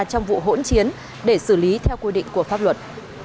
trong vụ hỗn chiến để xử lý theo quy định của pháp luật